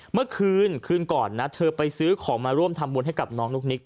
เมื่อคืนคืนก่อนนะเธอไปซื้อของมาร่วมทำบุญให้กับน้องนุ๊กนิก